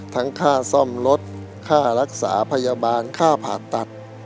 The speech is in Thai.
ค่าซ่อมรถค่ารักษาพยาบาลค่าผ่าตัด